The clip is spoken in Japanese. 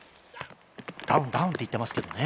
ダウン、ダウンって言ってますけどね。